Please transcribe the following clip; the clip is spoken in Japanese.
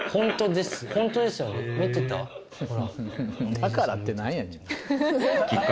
だからって何やねん。